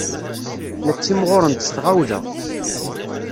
La ttimɣurent s tɣawla.